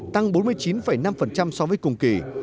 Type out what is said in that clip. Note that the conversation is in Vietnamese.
tăng bốn mươi chín năm so với cùng kỳ